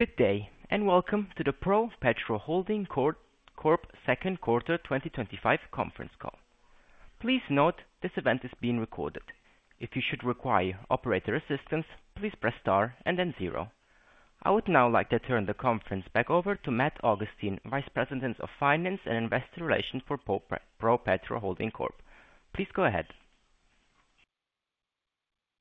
Good day and welcome to the ProPetro Holding Corp Second Quarter 2025 Conference Call. Please note this event is being recorded. If you should require operator assistance, please press star and then zero. I would now like to turn the conference back over to Matt Augustine, Vice President of Finance and Investor Relations for ProPetro Holding Corp. Please go ahead.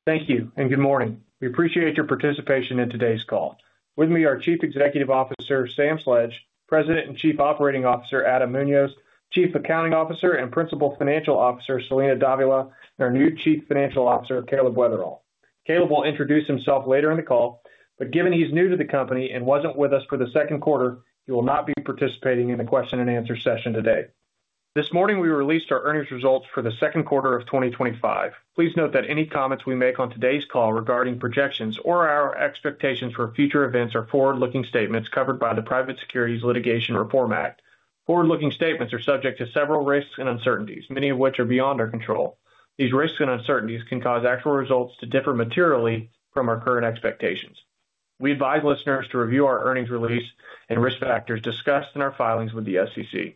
Thank you and good morning. We appreciate your participation in today's call. With me are Chief Executive Officer Sam Sledge, President and Chief Operating Officer Adam Muñoz, Chief Accounting Officer and Principal Financial Officer Celina Davila, and our new Chief Financial Officer, Caleb Weatherl. Caleb will introduce himself later in the call, but given he's new to the company and wasn't with us for the second quarter, he will not be participating in the question and answer session today. This morning we released our earnings results for the second quarter of 2025. Please note that any comments we make on today's call regarding projections or our expectations for future events are forward-looking statements covered by the Private Securities Litigation Reform Act. Forward-looking statements are subject to several risks and uncertainties, many of which are beyond our control. These risks and uncertainties can cause actual results to differ materially from our current expectations. We advise listeners to review our earnings release and risk factors discussed in our filings with the SEC.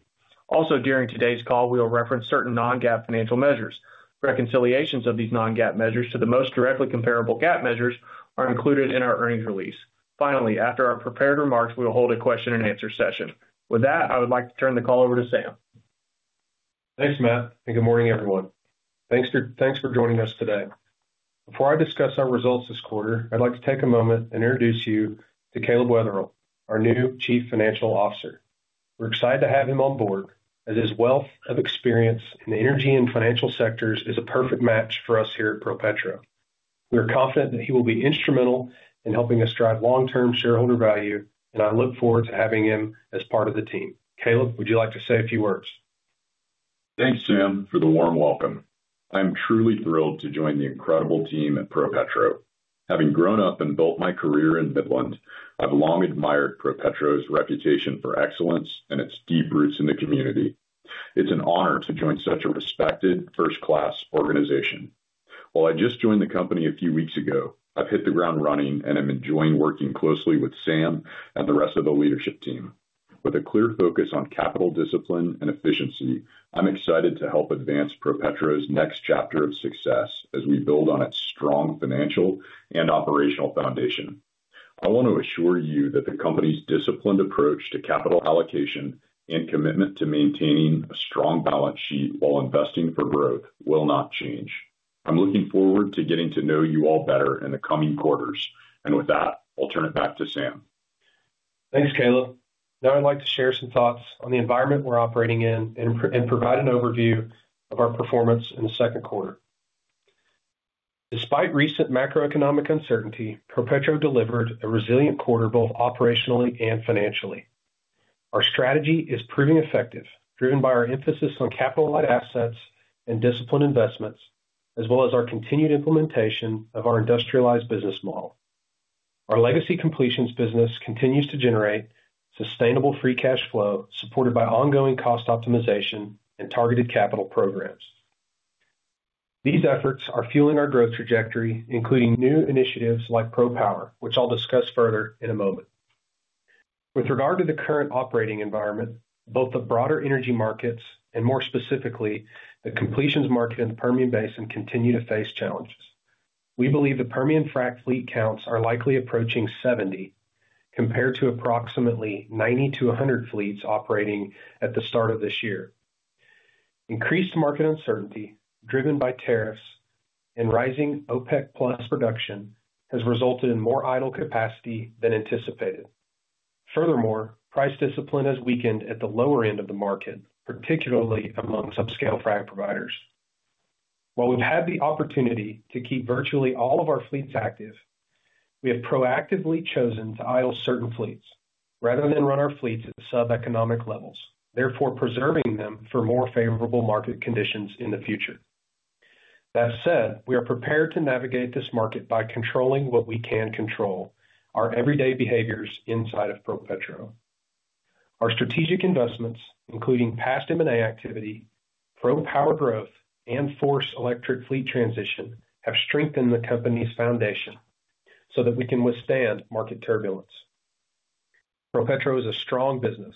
Also, during today's call, we will reference certain non-GAAP financial measures. Reconciliations of these non-GAAP measures to the most directly comparable GAAP measures are included in our earnings release. Finally, after our prepared remarks, we will hold a question and answer session. With that, I would like to turn the call over to Sam. Thanks, Matt, and good morning everyone. Thanks for joining us today. Before I discuss our results this quarter, I'd like to take a moment and introduce you to Caleb Weatherl, our new Chief Financial Officer. We're excited to have him on board as his wealth of experience in the energy and financial sectors is a perfect match for us here at ProPetro. We are confident that he will be instrumental in helping us drive long-term shareholder value, and I look forward to having him as part of the team. Caleb, would you like to say a few words? Thanks, Sam, for the warm welcome. I'm truly thrilled to join the incredible team at ProPetro. Having grown up and built my career in Midland, I've long admired ProPetro's reputation for excellence and its deep roots in the community. It's an honor to join such a respected, first-class organization. While I just joined the company a few weeks ago, I've hit the ground running and am enjoying working closely with Sam and the rest of the leadership team. With a clear focus on capital discipline and efficiency, I'm excited to help advance ProPetro's next chapter of success as we build on its strong financial and operational foundation. I want to assure you that the company's disciplined approach to capital allocation and commitment to maintaining a strong balance sheet while investing for growth will not change. I'm looking forward to getting to know you all better in the coming quarters, and with that, I'll turn it back to Sam. Thanks, Caleb. Now I'd like to share some thoughts on the environment we're operating in and provide an overview of our performance in the second quarter. Despite recent macroeconomic uncertainty, ProPetro delivered a resilient quarter both operationally and financially. Our strategy is proving effective, driven by our emphasis on capital-led assets and disciplined investments, as well as our continued implementation of our industrialized business model. Our legacy completions business continues to generate sustainable free cash flow supported by ongoing cost optimization and targeted capital programs. These efforts are fueling our growth trajectory, including new initiatives like ProPower, which I'll discuss further in a moment. With regard to the current operating environment, both the broader energy markets and more specifically the completions market in the Permian Basin continue to face challenges. We believe the Permian frac fleet counts are likely approaching 70 compared to approximately 90 to 100 fleets operating at the start of this year. Increased market uncertainty, driven by tariffs and rising OPEC+ production, has resulted in more idle capacity than anticipated. Furthermore, price discipline has weakened at the lower end of the market, particularly among subscale frac providers. While we've had the opportunity to keep virtually all of our fleets active, we have proactively chosen to idle certain fleets rather than run our fleets at sub-economic levels, therefore preserving them for more favorable market conditions in the future. That said, we are prepared to navigate this market by controlling what we can control: our everyday behaviors inside of ProPetro. Our strategic investments, including past M&A activity, ProPower growth, and FORCE electric fleet transition, have strengthened the company's foundation so that we can withstand market turbulence. ProPetro is a strong business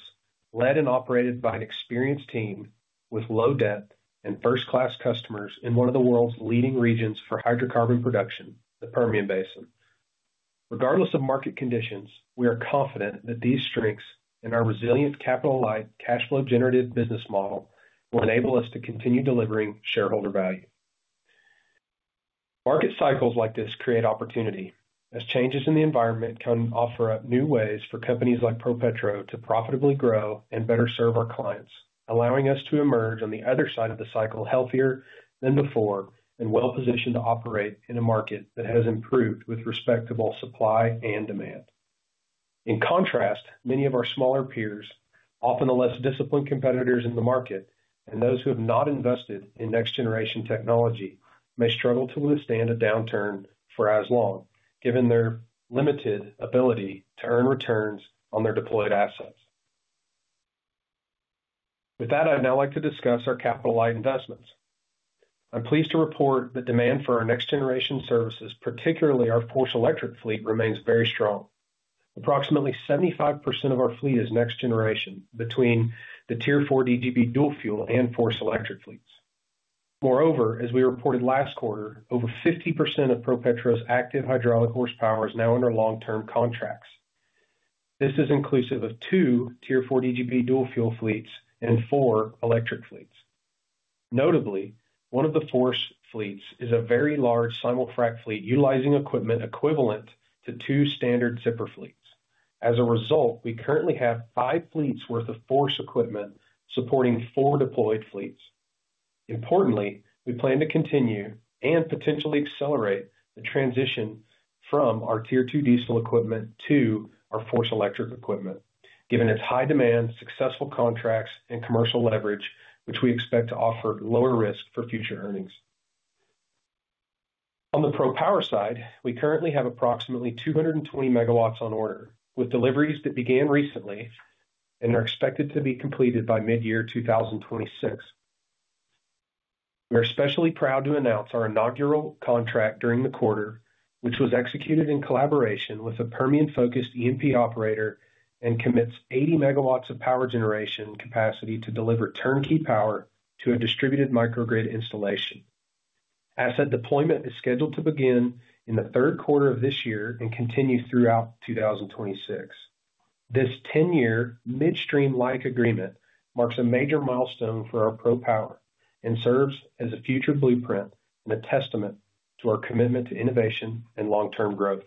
led and operated by an experienced team with low debt and first-class customers in one of the world's leading regions for hydrocarbon production, the Permian Basin. Regardless of market conditions, we are confident that these strengths and our resilient capital-led cash flow generated business model will enable us to continue delivering shareholder value. Market cycles like this create opportunity, as changes in the environment can offer up new ways for companies like ProPetro to profitably grow and better serve our clients, allowing us to emerge on the other side of the cycle healthier than before and well-positioned to operate in a market that has improved with respectable supply and demand. In contrast, many of our smaller peers, often the less disciplined competitors in the market, and those who have not invested in next-generation technology may struggle to withstand a downturn for as long, given their limited ability to earn returns on their deployed assets. With that, I'd now like to discuss our capital-led investments. I'm pleased to report that demand for our next-generation services, particularly our FORCE electric fleet, remains very strong. Approximately 75% of our fleet is next generation between the Tier IV DGB dual-fuel and FORCE electric fleets. Moreover, as we reported last quarter, over 50% of ProPetro's active hydraulic horsepower is now under long-term contracts. This is inclusive of two Tier IV DGB dual-fuel fleets and four electric fleets. Notably, one of the FORCE fleets is a very large simul frac fleet utilizing equipment equivalent to two standard zipper fleets. As a result, we currently have five fleets' worth of FORCE equipment supporting four deployed fleets. Importantly, we plan to continue and potentially accelerate the transition from our Tier II diesel equipment to our FORCE electric equipment, given its high demand, successful contracts, and commercial leverage, which we expect to offer lower risk for future earnings. On the ProPower side, we currently have approximately 220 megawatts on order, with deliveries that began recently and are expected to be completed by mid-year 2026. We are especially proud to announce our inaugural contract during the quarter, which was executed in collaboration with a Permian Basin-focused E&P operator and commits 80 megawatts of power generation capacity to deliver turnkey power to a distributed microgrid installation. Asset deployment is scheduled to begin in the third quarter of this year and continue throughout 2026. This 10-year midstream-like agreement marks a major milestone for our ProPower and serves as a future blueprint and a testament to our commitment to innovation and long-term growth.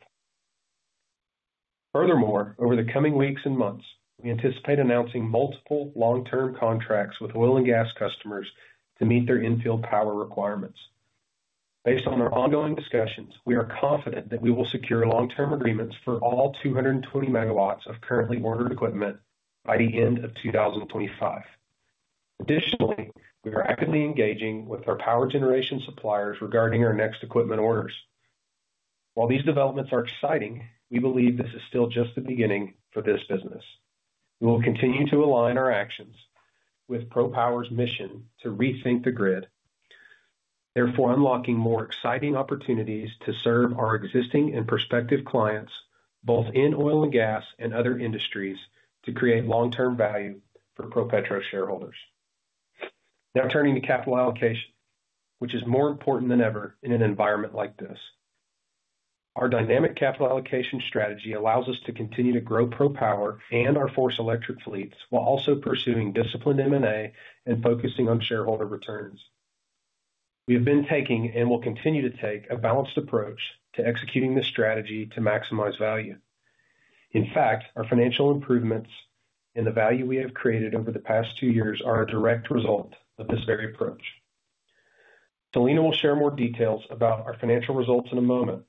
Furthermore, over the coming weeks and months, we anticipate announcing multiple long-term contracts with oil and gas customers to meet their infield power requirements. Based on our ongoing discussions, we are confident that we will secure long-term agreements for all 220 megawatts of currently ordered equipment by the end of 2025. Additionally, we are actively engaging with our power generation suppliers regarding our next equipment orders. While these developments are exciting, we believe this is still just the beginning for this business. We will continue to align our actions with ProPower's mission to rethink the grid, therefore unlocking more exciting opportunities to serve our existing and prospective clients, both in oil and gas and other industries, to create long-term value for ProPetro shareholders. Now turning to capital allocation, which is more important than ever in an environment like this. Our dynamic capital allocation strategy allows us to continue to grow ProPower and our FORCE electric fleets while also pursuing disciplined M&A and focusing on shareholder returns. We have been taking and will continue to take a balanced approach to executing this strategy to maximize value. In fact, our financial improvements and the value we have created over the past two years are a direct result of this very approach. Celina will share more details about our financial results in a moment,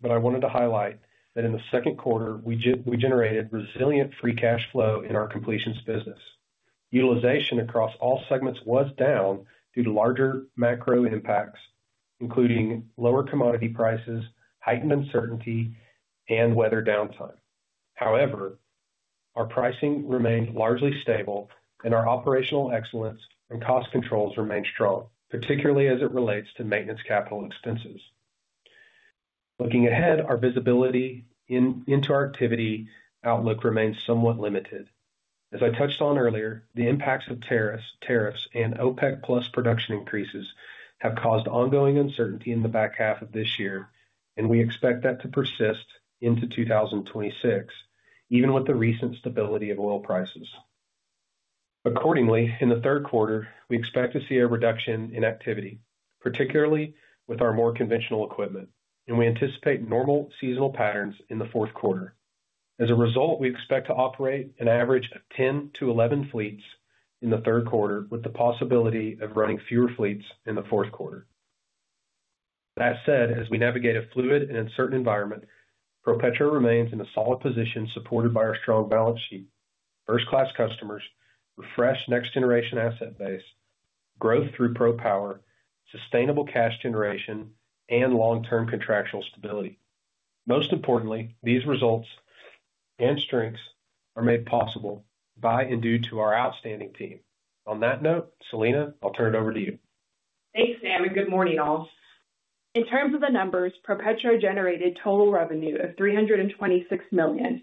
but I wanted to highlight that in the second quarter, we generated resilient free cash flow in our completions business. Utilization across all segments was down due to larger macro impacts, including lower commodity prices, heightened uncertainty, and weather downtime. However, our pricing remained largely stable and our operational excellence and cost controls remained strong, particularly as it relates to maintenance capital expenses. Looking ahead, our visibility into our activity outlook remains somewhat limited. As I touched on earlier, the impacts of tariffs and OPEC+ production increases have caused ongoing uncertainty in the back half of this year, and we expect that to persist into 2026, even with the recent stability of oil prices. Accordingly, in the third quarter, we expect to see a reduction in activity, particularly with our more conventional equipment, and we anticipate normal seasonal patterns in the fourth quarter. As a result, we expect to operate an average of 10 to 11 fleets in the third quarter, with the possibility of running fewer fleets in the fourth quarter. That said, as we navigate a fluid and uncertain environment, ProPetro remains in a solid position supported by our strong balance sheet, first-class customers, a fresh next-generation asset base, growth through ProPower, sustainable cash generation, and long-term contractual stability. Most importantly, these results and strengths are made possible by and due to our outstanding team. On that note, Celina, I'll turn it over to you. Thanks, Sam, and good morning all. In terms of the numbers, ProPetro generated total revenue of $326 million,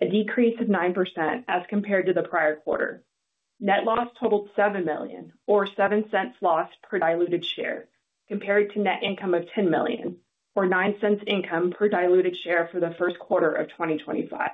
a decrease of 9% as compared to the prior quarter. Net loss totaled $7 million, or $0.07 loss per diluted share, compared to net income of $10 million, or $0.09 income per diluted share for the first quarter of 2025.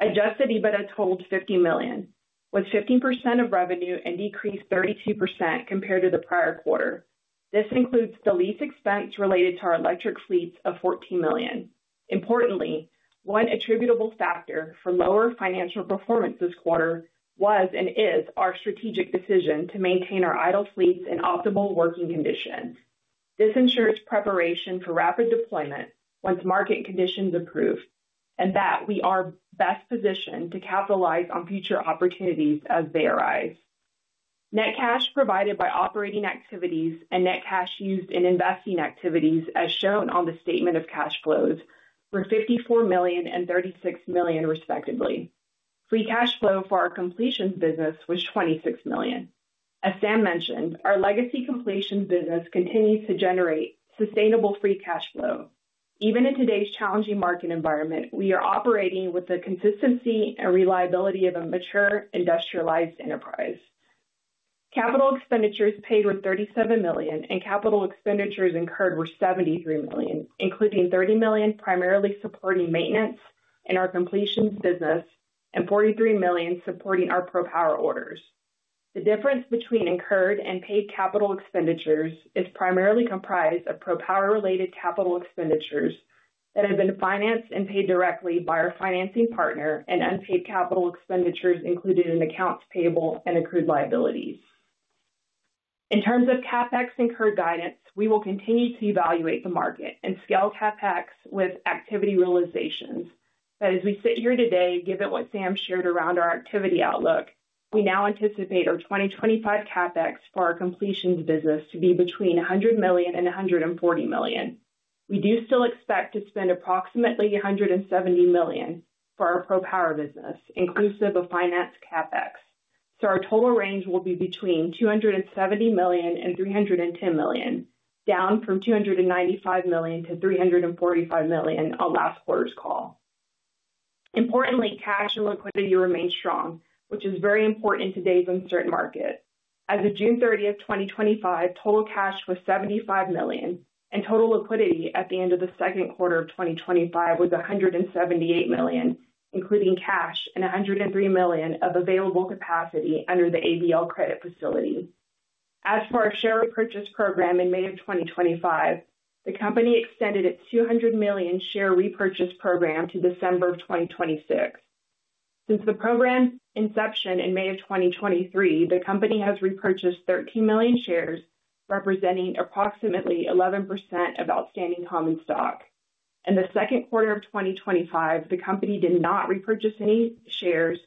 Adjusted EBITDA totaled $50 million, was 15% of revenue, and decreased 32% compared to the prior quarter. This includes the lease expense related to our electric fleets of $14 million. Importantly, one attributable factor for lower financial performance this quarter was and is our strategic decision to maintain our idle fleets in optimal working conditions. This ensures preparation for rapid deployment once market conditions improve and that we are best positioned to capitalize on future opportunities as they arise. Net cash provided by operating activities and net cash used in investing activities, as shown on the statement of cash flows, were $54 million and $36 million, respectively. Free cash flow for our completions business was $26 million. As Sam mentioned, our legacy completions business continues to generate sustainable free cash flow. Even in today's challenging market environment, we are operating with the consistency and reliability of a mature industrialized enterprise. Capital expenditures paid were $37 million and capital expenditures incurred were $73 million, including $30 million primarily supporting maintenance in our completions business and $43 million supporting our ProPower orders. The difference between incurred and paid capital expenditures is primarily comprised of ProPower-related capital expenditures that have been financed and paid directly by our financing partner and unpaid capital expenditures included in accounts payable and accrued liabilities. In terms of CapEx incurred guidance, we will continue to evaluate the market and scale CapEx with activity realizations. As we sit here today, given what Sam shared around our activity outlook, we now anticipate our 2025 CapEx for our completions business to be between $100 million and $140 million. We do still expect to spend approximately $170 million for our ProPower business, inclusive of financed CapEx. Our total range will be between $270 million and $310 million, down from $295 million to $345 million on last quarter's call. Importantly, cash and liquidity remain strong, which is very important in today's uncertain market. As of June 30, 2025, total cash was $75 million and total liquidity at the end of the second quarter of 2025 was $178 million, including cash and $103 million of available capacity under the ABL credit facility. As for our share repurchase program, in May of 2025, the company extended its $200 million share repurchase program to December of 2026. Since the program's inception in May of 2023, the company has repurchased 13 million shares, representing approximately 11% of outstanding common stock. In the second quarter of 2025, the company did not repurchase any shares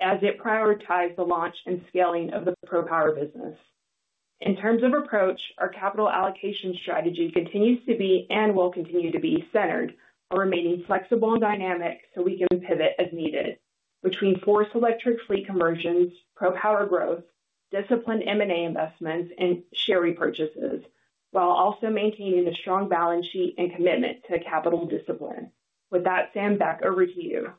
as it prioritized the launch and scaling of the ProPower business. In terms of approach, our capital allocation strategy continues to be and will continue to be centered on remaining flexible and dynamic so we can pivot as needed between FORCE electric fleet conversions, ProPower growth, disciplined M&A investments, and share repurchases, while also maintaining a strong balance sheet and commitment to capital discipline. With that, Sam, back over to you.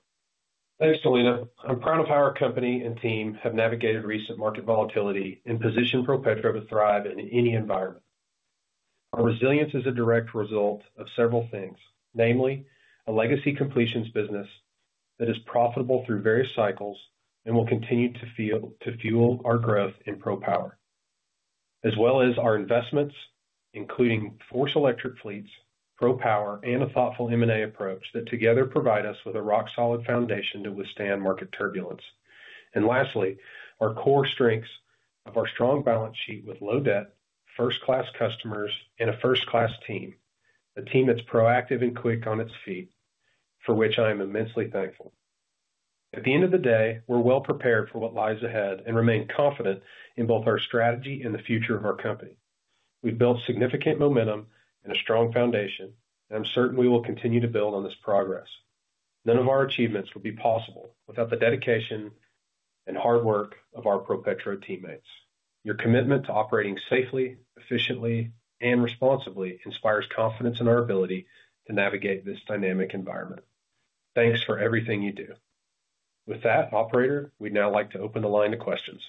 Thanks, Celina. I'm proud of how our company and team have navigated recent market volatility and positioned ProPetro to thrive in any environment. Our resilience is a direct result of several things, namely a legacy completions business that is profitable through various cycles and will continue to fuel our growth in ProPower, as well as our investments, including FORCE electric fleets, ProPower, and a thoughtful M&A approach that together provide us with a rock-solid foundation to withstand market turbulence. Lastly, our core strengths of our strong balance sheet with low debt, first-class customers, and a first-class team, a team that's proactive and quick on its feet, for which I am immensely thankful. At the end of the day, we're well prepared for what lies ahead and remain confident in both our strategy and the future of our company. We've built significant momentum and a strong foundation, and I'm certain we will continue to build on this progress. None of our achievements would be possible without the dedication and hard work of our ProPetro teammates. Your commitment to operating safely, efficiently, and responsibly inspires confidence in our ability to navigate this dynamic environment. Thanks for everything you do. With that, operator, we'd now like to open the line to questions.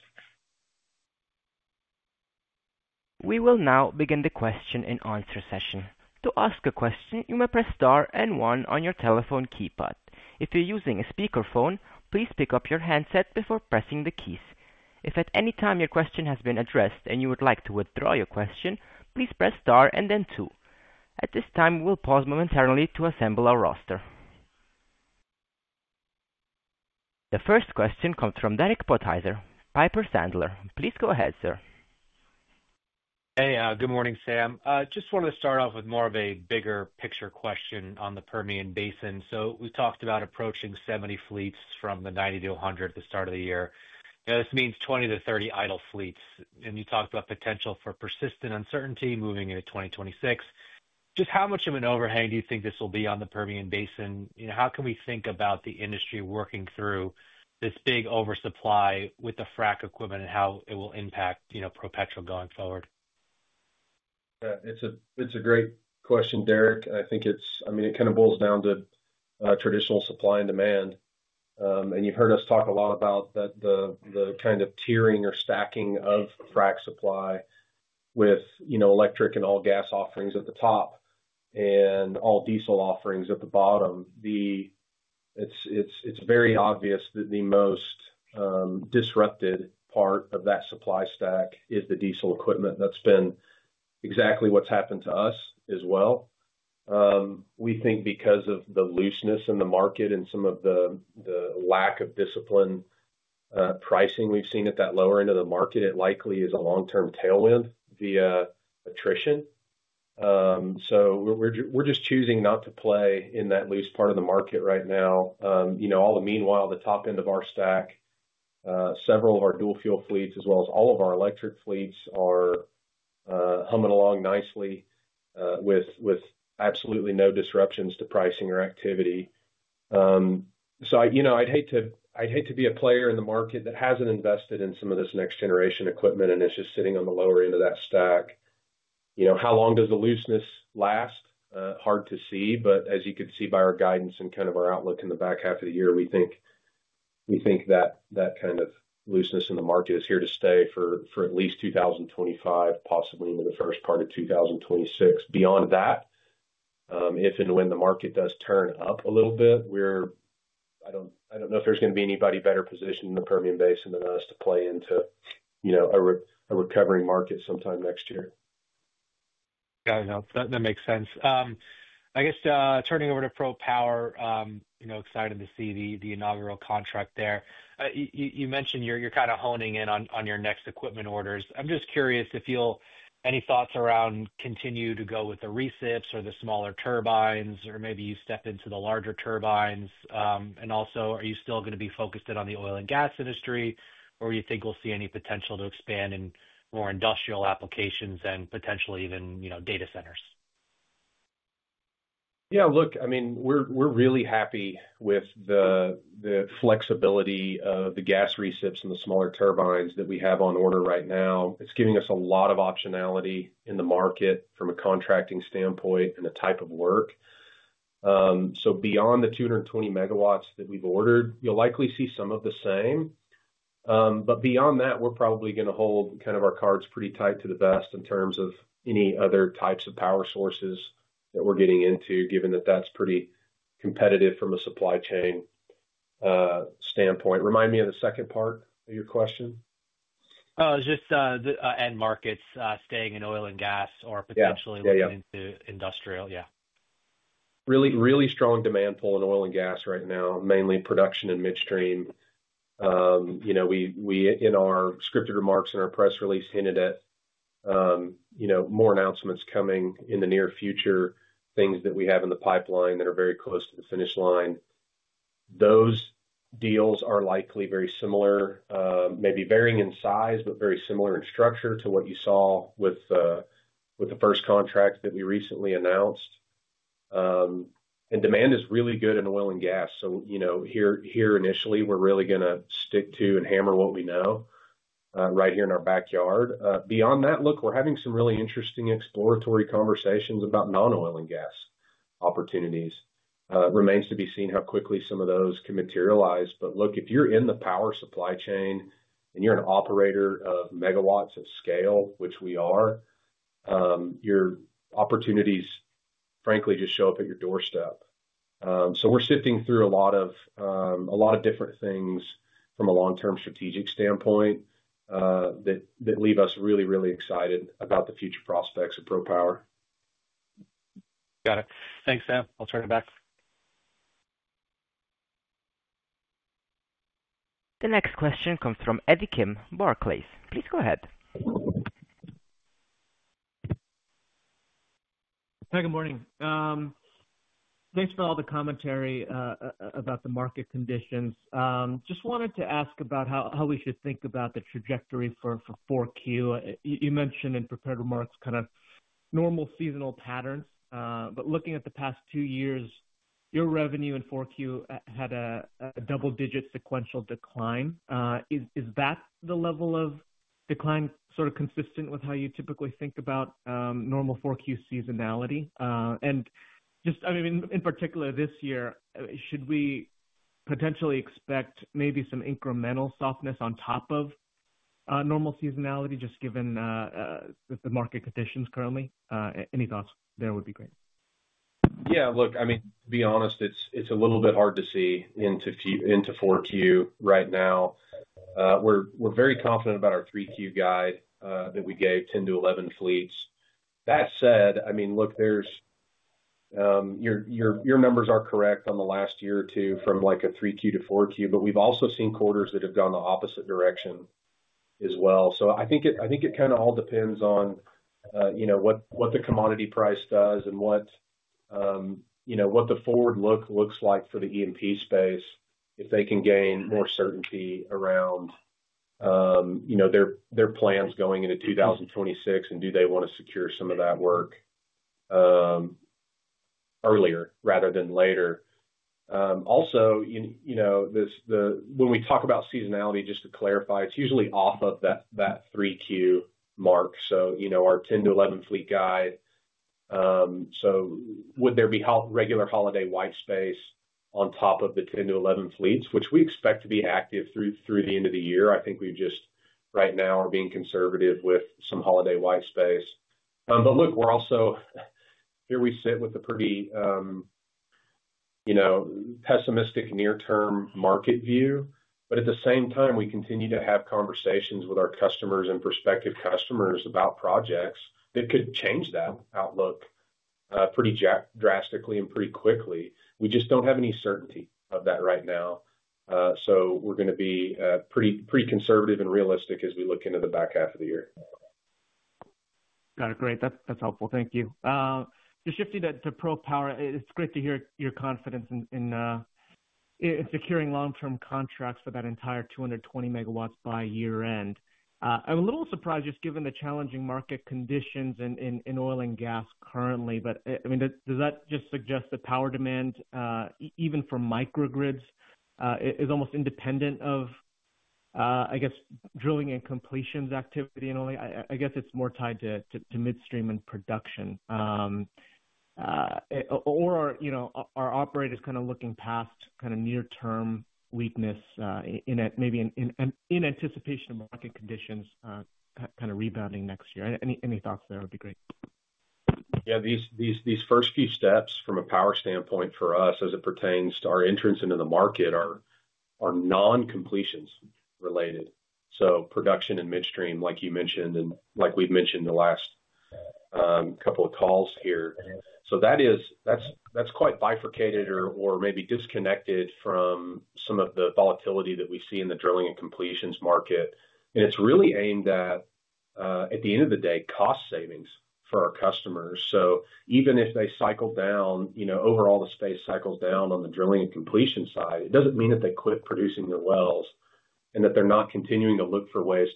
We will now begin the Question and Answer session. To ask a question, you may press star and one on your telephone keypad. If you're using a speakerphone, please pick up your headset before pressing the keys. If at any time your question has been addressed and you would like to withdraw your question, please press star and then two. At this time, we'll pause momentarily to assemble our roster. The first question comes from Derek Podhaizer, Piper Sandler. Please go ahead, sir. Hey, good morning, Sam. I just wanted to start off with more of a bigger picture question on the Permian Basin. We talked about approaching 70 fleets from the 90 to 100 at the start of the year. This means 20 to 30 idle fleets, and you talked about potential for persistent uncertainty moving into 2026. Just how much of an overhang do you think this will be on the Permian Basin? How can we think about the industry working through this big oversupply with the frac equipment and how it will impact, you know, ProPetro going forward? It's a great question, Derek. I think it kind of boils down to traditional supply and demand. You've heard us talk a lot about the kind of tiering or stacking of frac supply with electric and all gas offerings at the top and all diesel offerings at the bottom. It's very obvious that the most disrupted part of that supply stack is the diesel equipment. That's been exactly what's happened to us as well. We think because of the looseness in the market and some of the lack of discipline pricing we've seen at that lower end of the market, it likely is a long-term tailwind via attrition. We're just choosing not to play in that loose part of the market right now. All the meanwhile, the top end of our stack, several of our dual-fuel fleets, as well as all of our electric fleets, are humming along nicely with absolutely no disruptions to pricing or activity. I'd hate to be a player in the market that hasn't invested in some of this next-generation equipment and is just sitting on the lower end of that stack. How long does the looseness last? Hard to see, but as you could see by our guidance and kind of our outlook in the back half of the year, we think that that kind of looseness in the market is here to stay for at least 2025, possibly into the first part of 2026. Beyond that, if and when the market does turn up a little bit, I don't know if there's going to be anybody better positioned in the Permian Basin than us to play into a recovering market sometime next year. Got it. That makes sense. I guess turning over to ProPower, excited to see the inaugural contract there. You mentioned you're kind of honing in on your next equipment orders. I'm just curious if you'll, any thoughts around continue to go with the recips or the smaller turbines, or maybe you step into the larger turbines, and also are you still going to be focused in on the oil and gas industry, or do you think we'll see any potential to expand in more industrial applications and potentially even, you know, data centers? Yeah, look, I mean, we're really happy with the flexibility of the gas recips and the smaller turbines that we have on order right now. It's giving us a lot of optionality in the market from a contracting standpoint and a type of work. Beyond the 220 megawatts that we've ordered, you'll likely see some of the same. Beyond that, we're probably going to hold kind of our cards pretty tight to the vest in terms of any other types of power sources that we're getting into, given that that's pretty competitive from a supply chain standpoint. Remind me of the second part of your question. Oh, it's just the end markets staying in oil and gas or potentially looking into industrial. Yeah. Really, really strong demand pull in oil and gas right now, mainly production and midstream. In our scripted remarks and our press release, we hinted at more announcements coming in the near future, things that we have in the pipeline that are very close to the finish line. Those deals are likely very similar, maybe varying in size, but very similar in structure to what you saw with the first contract that we recently announced. Demand is really good in oil and gas. Here initially, we're really going to stick to and hammer what we know right here in our backyard. Beyond that, look, we're having some really interesting exploratory conversations about non-oil and gas opportunities. It remains to be seen how quickly some of those can materialize. If you're in the power supply chain and you're an operator of megawatts of scale, which we are, your opportunities frankly just show up at your doorstep. We're sifting through a lot of different things from a long-term strategic standpoint that leave us really, really excited about the future prospects of ProPower. Got it. Thanks, Sam. I'll turn it back. The next question comes from Eddie Kim, Barclays. Please go ahead. Hi, good morning. Thanks for all the commentary about the market conditions. Just wanted to ask about how we should think about the trajectory for 4Q. You mentioned in prepared remarks kind of normal seasonal patterns. Looking at the past two years, your revenue in 4Q had a double-digit sequential decline. Is that the level of decline sort of consistent with how you typically think about normal 4Q seasonality? In particular this year, should we potentially expect maybe some incremental softness on top of normal seasonality, just given the market conditions currently? Any thoughts there would be great. Yeah, look, I mean, to be honest, it's a little bit hard to see into four Q right now. We're very confident about our three Q guide that we gave, 10 to 11 fleets. That said, your numbers are correct on the last year or two from like a three Q to four Q, but we've also seen quarters that have gone the opposite direction as well. I think it kind of all depends on what the commodity price does and what the forward look looks like for the E&P space if they can gain more certainty around their plans going into 2026 and do they want to secure some of that work earlier rather than later. Also, when we talk about seasonality, just to clarify, it's usually off of that three Q mark, so our 10 to 11 fleet guide. Would there be regular holiday whitespace on top of the 10 to 11 fleets, which we expect to be active through the end of the year? I think we just right now are being conservative with some holiday whitespace. We're also here. We sit with a pretty pessimistic near-term market view. At the same time, we continue to have conversations with our customers and prospective customers about projects that could change that outlook pretty drastically and pretty quickly. We just don't have any certainty of that right now. We're going to be pretty conservative and realistic as we look into the back half of the year. Got it. Great. That's helpful. Thank you. Just shifting to ProPower, it's great to hear your confidence in securing long-term contracts for that entire 220 megawatts by year-end. I'm a little surprised just given the challenging market conditions in oil and gas currently. Does that just suggest the power demand, even for Microgrids, is almost independent of, I guess, drilling and completions activity? I guess it's more tied to midstream and production. You know, are operators kind of looking past kind of near-term weakness in it, maybe in anticipation of market conditions kind of rebounding next year? Any thoughts there would be great. Yeah, these first few steps from a power standpoint for us as it pertains to our entrance into the market are non-completions related. Production and midstream, like you mentioned and like we've mentioned in the last couple of calls here, that is quite bifurcated or maybe disconnected from some of the volatility that we see in the drilling and completions market. It's really aimed at, at the end of the day, cost savings for our customers. Even if they cycle down, you know, overall the space cycles down on the drilling and completion side, it doesn't mean that they quit producing the wells and that they're not continuing to look for ways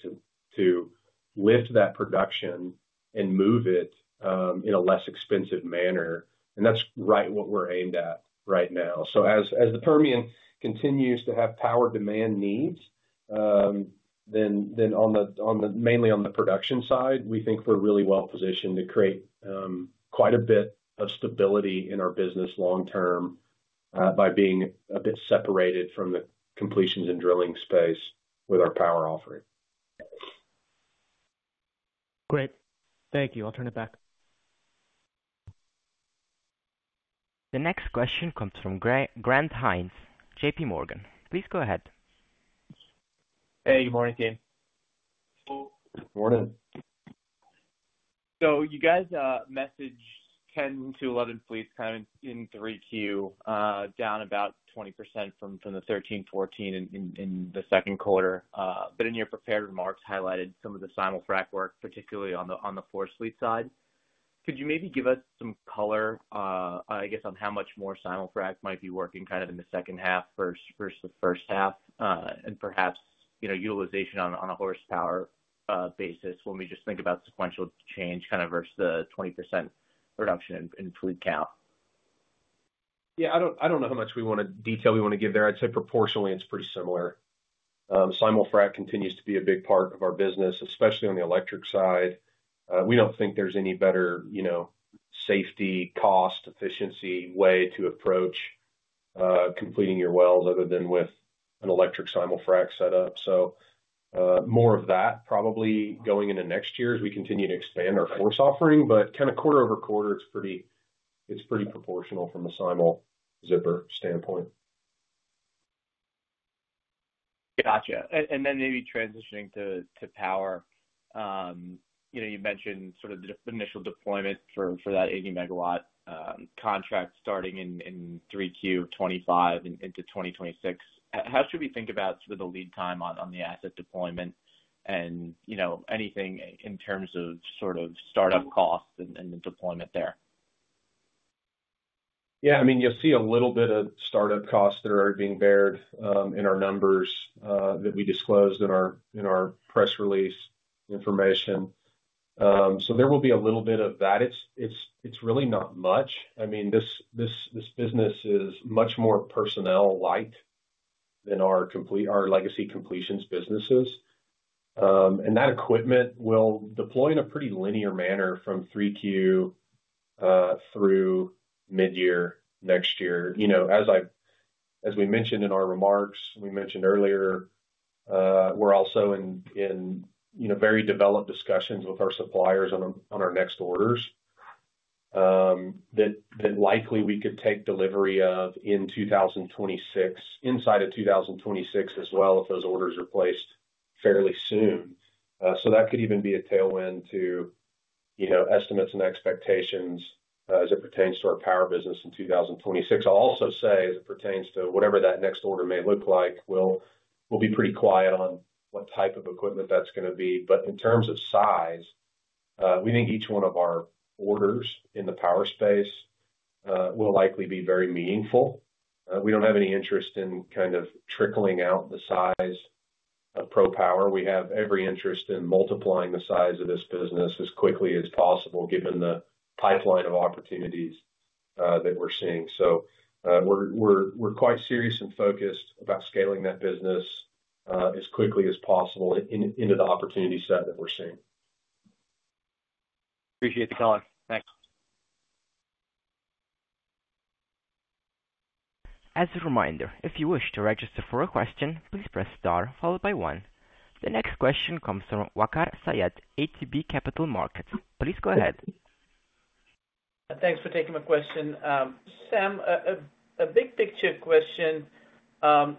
to lift that production and move it in a less expensive manner. That's right what we're aimed at right now. As the Permian Basin continues to have power demand needs, mainly on the production side, we think we're really well positioned to create quite a bit of stability in our business long-term by being a bit separated from the completions and drilling space with our power offering. Great. Thank you. I'll turn it back. The next question comes from Grant Hynes, JPMorgan. Please go ahead. Hey, good morning, team. Morning. You guys' message is 10 to 11 fleets, kind of in three Q, down about 20% from the 13, 14 in the second quarter. In your prepared remarks, you highlighted some of the simul frac work, particularly on the FORCE electric fleet side. Could you maybe give us some color, I guess, on how much more simul frac might be working kind of in the second half versus the first half, and perhaps, you know, utilization on a hydraulic horsepower basis when we just think about sequential change versus the 20% reduction in fleet count? Yeah, I don't know how much detail we want to give there. I'd say proportionally, it's pretty similar. Simul frac continues to be a big part of our business, especially on the electric side. We don't think there's any better, you know, safety, cost, efficiency way to approach completing your wells other than with an electric simul frac setup. More of that probably going into next year as we continue to expand our FORCE offering. Kind of quarter over quarter, it's pretty proportional from a simul zipper standpoint. Gotcha. Maybe transitioning to power, you mentioned sort of the initial deployment for that 80 megawatt contract starting in 3Q 2025 into 2026. How should we think about the lead time on the asset deployment and anything in terms of startup cost and the deployment there? Yeah, I mean, you'll see a little bit of startup costs that are already being bared in our numbers that we disclosed in our press release information. There will be a little bit of that. It's really not much. I mean, this business is much more personnel-like than our legacy completions businesses. That equipment will deploy in a pretty linear manner from three Q through mid-year next year. As we mentioned in our remarks, we mentioned earlier, we're also in very developed discussions with our suppliers on our next orders that likely we could take delivery of inside of 2026 as well if those orders are placed fairly soon. That could even be a tailwind to estimates and expectations as it pertains to our power business in 2026. I'll also say as it pertains to whatever that next order may look like, we'll be pretty quiet on what type of equipment that's going to be. In terms of size, we think each one of our orders in the power space will likely be very meaningful. We don't have any interest in kind of trickling out the size of ProPower. We have every interest in multiplying the size of this business as quickly as possible, given the pipeline of opportunities that we're seeing. We're quite serious and focused about scaling that business as quickly as possible into the opportunity set that we're seeing. Appreciate the call. Thanks. As a reminder, if you wish to register for a question, please press star followed by one. The next question comes from Waqar Syed, ATB Capital Markets. Please go ahead. Thanks for taking my question. Sam, a big picture question.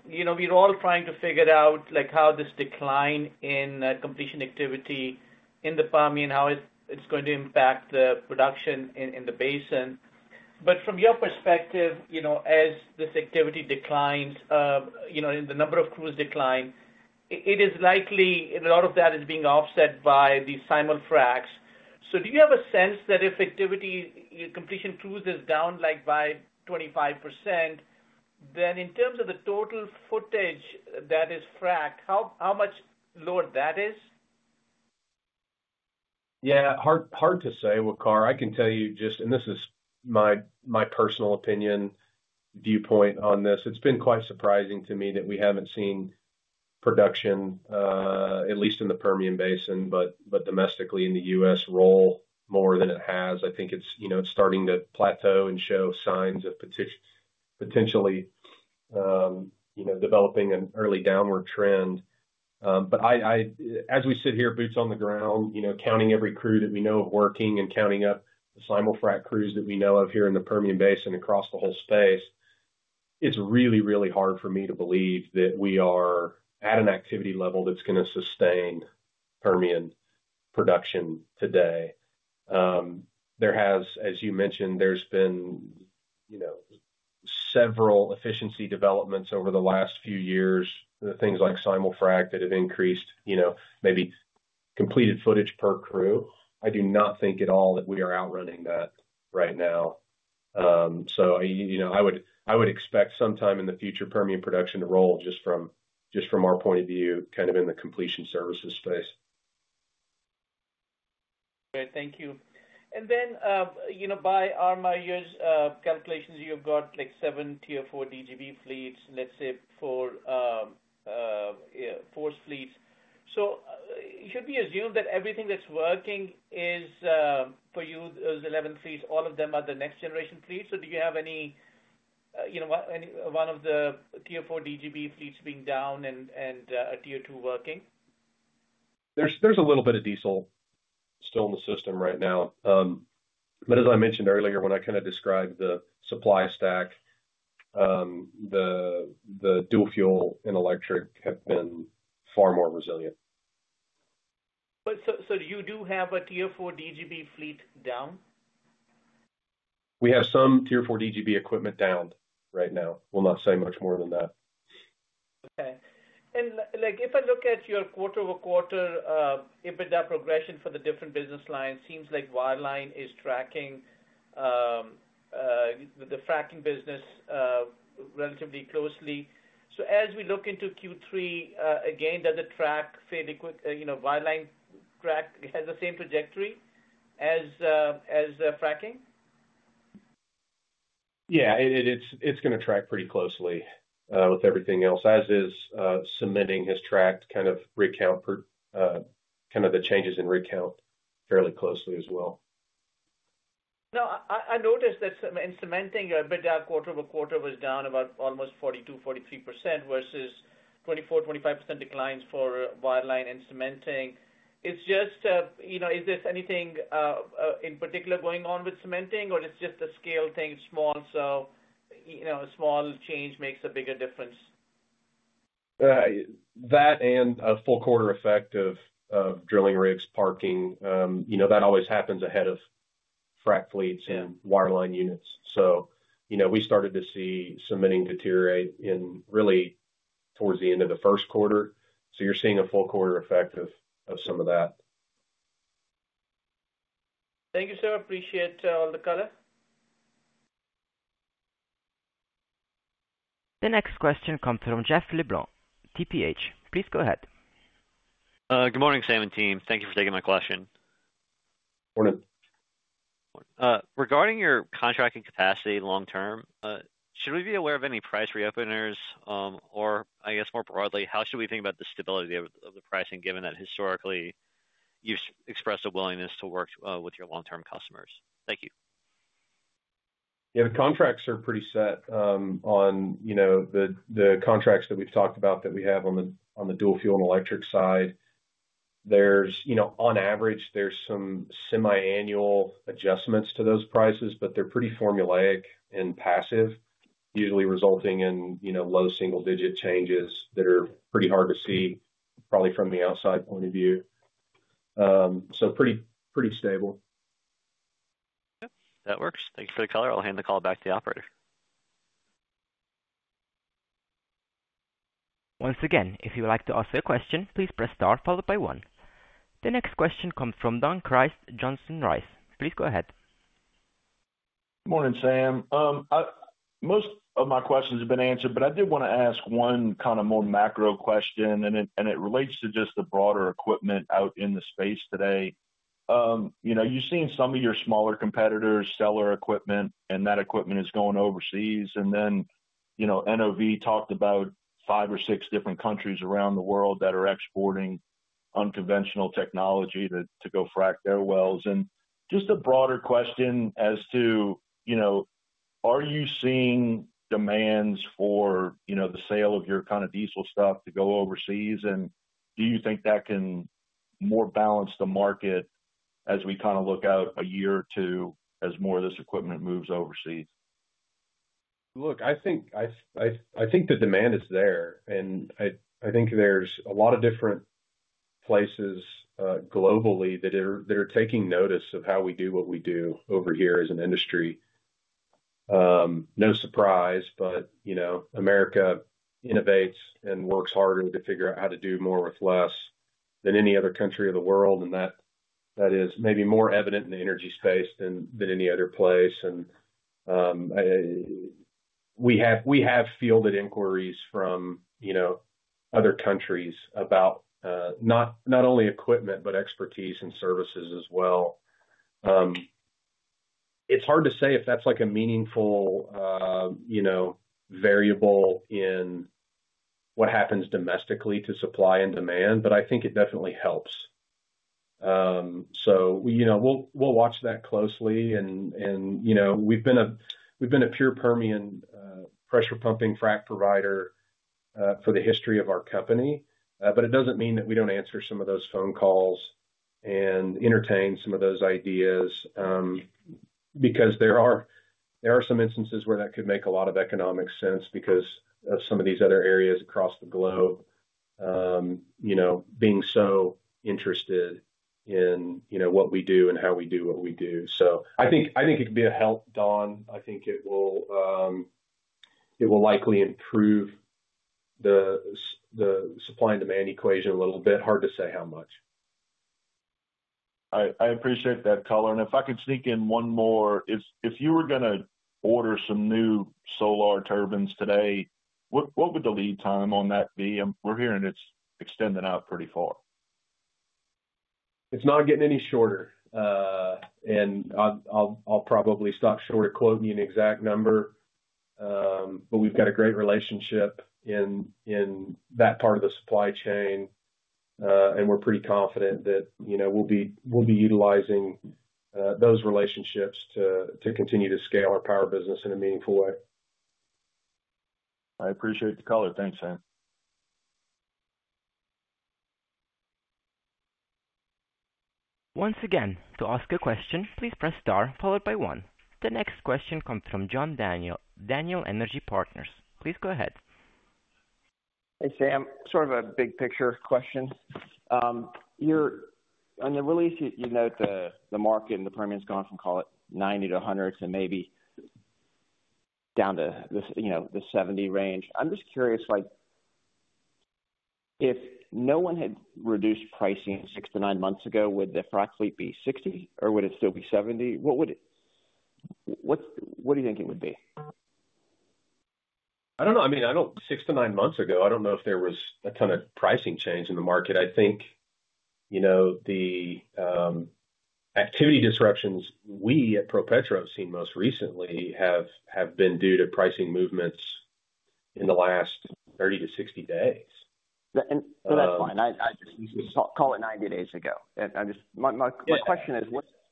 You know, we're all trying to figure out like how this decline in completion activity in the Permian, how it's going to impact the production in the basin. From your perspective, as this activity declines, the number of crews decline, it is likely a lot of that is being offset by the simul fracs. Do you have a sense that if activity, completion crews is down by 25%, then in terms of the total footage that is frac'ed, how much lower that is? Yeah, hard to say, Waqar. I can tell you just, and this is my personal opinion, viewpoint on this. It's been quite surprising to me that we haven't seen production, at least in the Permian Basin, but domestically in the U.S., roll more than it has. I think it's, you know, it's starting to plateau and show signs of potentially, you know, developing an early downward trend. As we sit here, boots on the ground, you know, counting every crew that we know of working and counting up the simul frac crews that we know of here in the Permian Basin and across the whole space, it's really, really hard for me to believe that we are at an activity level that's going to sustain Permian production today. There has, as you mentioned, been, you know, several efficiency developments over the last few years, things like simul frac that have increased, you know, maybe completed footage per crew. I do not think at all that we are outrunning that right now. I would expect sometime in the future, Permian production to roll just from our point of view, kind of in the completion services space. Great, thank you. By our calculations, you've got like seven Tier IV DGB fleets, let's say four FORCE electric fleets. Should we assume that everything that's working is for you, those 11 fleets, all of them are the next generation fleets? Do you have any, you know, one of the Tier IV DGB fleets being down and a Tier II working? There's a little bit of diesel still in the system right now. As I mentioned earlier, when I kind of described the supply stack, the dual-fuel and electric have been far more resilient. Do you have a Tier IV DGB fleet down? We have some Tier IV DGB equipment down right now. We'll not say much more than that. Okay. If I look at your quarter-over-quarter EBITDA progression for the different business lines, it seems like wireline is tracking the fracking business relatively closely. As we look into Q3, does it track fairly quick, you know, wireline track has the same trajectory as fracking? Yeah, it's going to track pretty closely with everything else, as cementing has tracked kind of recount, kind of the changes in recount fairly closely as well. Now, I noticed that in cementing, EBITDA quarter over quarter was down about almost 42%, 43% versus 24%, 25% declines for wireline and cementing. Is there anything in particular going on with cementing, or it's just a scale thing? It's small, so a small change makes a bigger difference. That and a full quarter effect of drilling rates, parking, you know, that always happens ahead of frack fleets and wireline units. We started to see cementing deteriorate really towards the end of the first quarter. You're seeing a full quarter effect of some of that. Thank you, sir. Appreciate all the color. The next question comes from Jeff LeBlanc, TPH. Please go ahead. Good morning, Sam and team. Thank you for taking my question. Morning. Regarding your contracting capacity long-term, should we be aware of any price reopeners? Or I guess more broadly, how should we think about the stability of the pricing, given that historically you've expressed a willingness to work with your long-term customers? Thank you. Yeah, the contracts are pretty set on, you know, the contracts that we've talked about that we have on the dual-fuel and electric side. There's, you know, on average, there's some semi-annual adjustments to those prices, but they're pretty formulaic and passive, usually resulting in, you know, low single-digit changes that are pretty hard to see probably from the outside point of view. Pretty stable. Okay, that works. Thank you for the caller. I'll hand the call back to the operator. Once again, if you would like to ask a question, please press star followed by one. The next question comes from Don Christ, Johnson Rice. Please go ahead. Morning, Sam. Most of my questions have been answered, but I did want to ask one kind of more macro question, and it relates to just the broader equipment out in the space today. You've seen some of your smaller competitors sell their equipment, and that equipment is going overseas. NOV talked about five or six different countries around the world that are exporting unconventional technology to go frack their wells. Just a broader question as to, are you seeing demands for the sale of your kind of diesel stuff to go overseas? Do you think that can more balance the market as we look out a year or two as more of this equipment moves overseas? I think the demand is there, and I think there's a lot of different places globally that are taking notice of how we do what we do over here as an industry. No surprise, but America innovates and works harder to figure out how to do more with less than any other country of the world. That is maybe more evident in the energy space than any other place. We have fielded inquiries from other countries about not only equipment, but expertise and services as well. It's hard to say if that's a meaningful variable in what happens domestically to supply and demand, but I think it definitely helps. We'll watch that closely. We've been a pure Permian pressure pumping frac provider for the history of our company. That doesn't mean that we don't answer some of those phone calls and entertain some of those ideas because there are some instances where that could make a lot of economic sense because of some of these other areas across the globe being so interested in what we do and how we do what we do. I think it could be a help, Don. I think it will likely improve the supply and demand equation a little bit. Hard to say how much. I appreciate that, caller. If I could sneak in one more, if you were going to order some new solar turbines today, what would the lead time on that be? We're hearing it's extending out pretty far. It's not getting any shorter. I'll probably stop short of quoting you an exact number, but we've got a great relationship in that part of the supply chain. We're pretty confident that we'll be utilizing those relationships to continue to scale our power business in a meaningful way. I appreciate the caller. Thanks, Sam. Once again, to ask a question, please press star followed by one. The next question comes from John Daniel, Daniel Energy Partners. Please go ahead. Hey, Sam. Sort of a big picture question. On the release, you note the market in the Permian's gone from, call it, 90 to 100 to maybe down to the, you know, the 70 range. I'm just curious, if no one had reduced pricing six to nine months ago, would the frac fleet be 60 or would it still be 70? What do you think it would be? I don't know. I mean, six to nine months ago, I don't know if there was a ton of pricing change in the market. I think the activity disruptions we at ProPetro have seen most recently have been due to pricing movements in the last 30 to 60 days. That's fine. I just call it 90 days ago. My question is,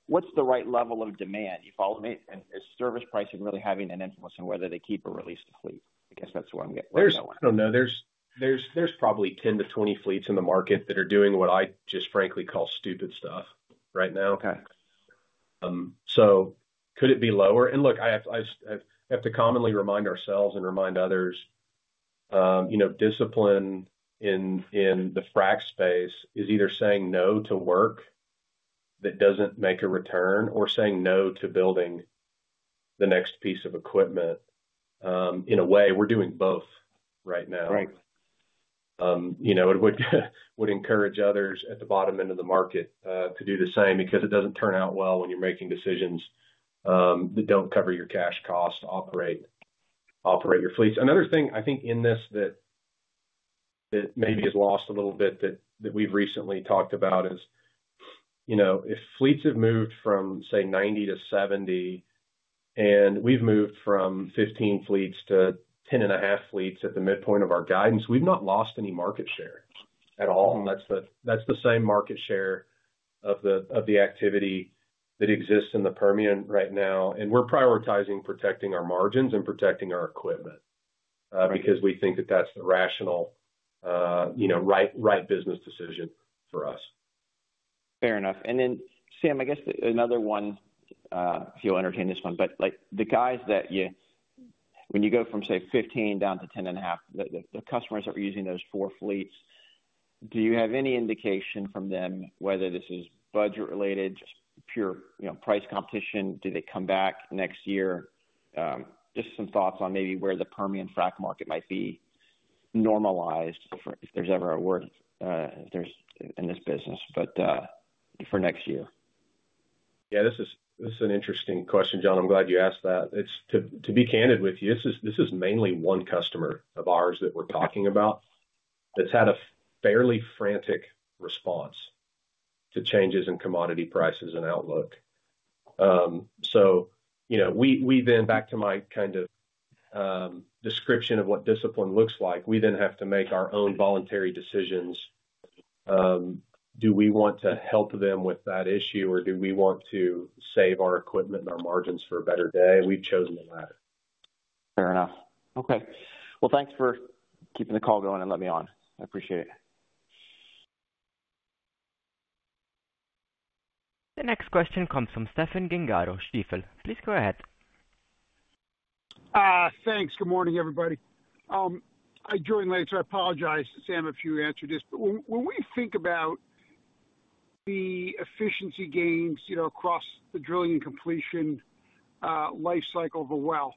what's the right level of demand? You follow me? Is service pricing really having an influence on whether they keep or release the fleet? I guess that's where I'm getting to. I don't know. There's probably 10 to 20 fleets in the market that are doing what I just frankly call stupid stuff right now. Okay. Could it be lower? Look, I have to commonly remind ourselves and remind others, you know, discipline in the frac space is either saying no to work that doesn't make a return or saying no to building the next piece of equipment. In a way, we're doing both right now. Right. It would encourage others at the bottom end of the market to do the same because it doesn't turn out well when you're making decisions that don't cover your cash cost to operate your fleets. Another thing I think in this that maybe is lost a little bit that we've recently talked about is, if fleets have moved from, say, 90 to 70 and we've moved from 15 fleets to 10.5 fleets at the midpoint of our guidance, we've not lost any market share at all. That's the same market share of the activity that exists in the Permian Basin right now. We're prioritizing protecting our margins and protecting our equipment because we think that that's the rational, right business decision for us. Fair enough. Sam, I guess another one, if you'll entertain this one, but the guys that you, when you go from, say, 15 down to 10.5, the customers that were using those four fleets, do you have any indication from them whether this is budget-related, just pure, you know, price competition? Do they come back next year? Just some thoughts on maybe where the Permian frac market might be normalized if there's ever a word in this business, but for next year. Yeah, this is an interesting question, John. I'm glad you asked that. To be candid with you, this is mainly one customer of ours that we're talking about that's had a fairly frantic response to changes in commodity prices and outlook. Back to my kind of description of what discipline looks like, we then have to make our own voluntary decisions. Do we want to help them with that issue or do we want to save our equipment and our margins for a better day? We've chosen the latter. Fair enough. Okay, thanks for keeping the call going and letting me on. I appreciate it. The next question comes from Stephen Gengaro, Stifel. Please go ahead. Thanks. Good morning, everybody. I joined late, so I apologize, Sam, if you answered this. When we think about the efficiency gains across the drilling and completion lifecycle of a well,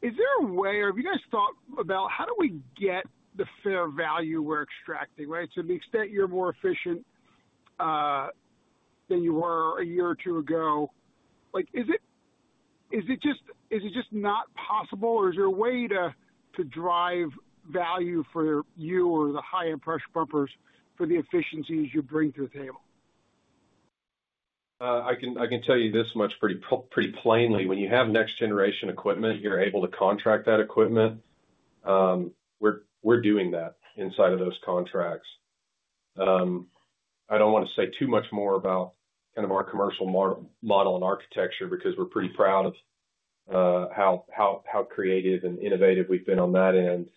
is there a way, or have you guys thought about how do we get the fair value we're extracting, right? To the extent you're more efficient than you were a year or two ago, is it just not possible, or is there a way to drive value for you or the high-end pressure pumpers for the efficiencies you bring to the table? I can tell you this much pretty plainly. When you have next-generation equipment, you're able to contract that equipment. We're doing that inside of those contracts. I don't want to say too much more about kind of our commercial model and architecture because we're pretty proud of how creative and innovative we've been on that end.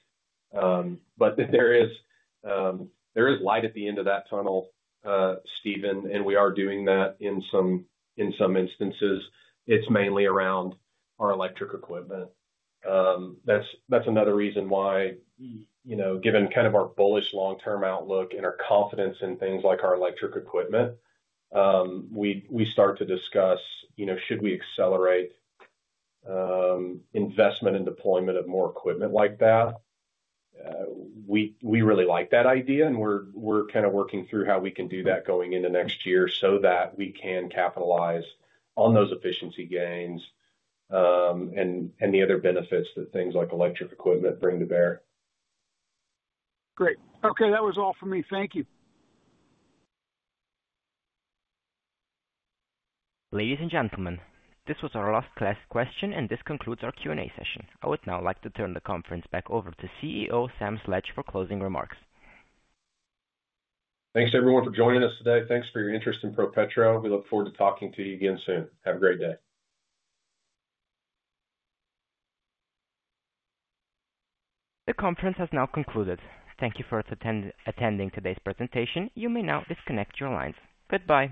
There is light at the end of that tunnel, Stephen, and we are doing that in some instances. It's mainly around our electric equipment. That's another reason why, given kind of our bullish long-term outlook and our confidence in things like our electric equipment, we start to discuss, you know, should we accelerate investment and deployment of more equipment like that? We really like that idea, and we're kind of working through how we can do that going into next year so that we can capitalize on those efficiency gains and the other benefits that things like electric equipment bring to bear. Great. Okay, that was all for me. Thank you. Ladies and gentlemen, this was our last question, and this concludes our Q&A session. I would now like to turn the conference back over to CEO Sam Sledge for closing remarks. Thanks everyone for joining us today. Thanks for your interest in ProPetro. We look forward to talking to you again soon. Have a great day. The conference has now concluded. Thank you for attending today's presentation. You may now disconnect your lines. Goodbye.